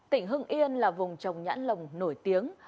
tỉnh hưng yên là vùng trồng nhãn lồng nổi tiếng